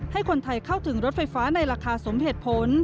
ให้คนไทยเข้าถึงรถไฟฟ้าในราคาสมเหตุผล